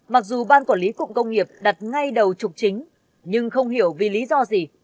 mặc dù ban quản lý cụm công nghiệp đặt ngay đầu trục chính nhưng không hiểu vì lý do gì